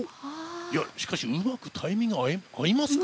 しかし、うまくタイミングあいますか？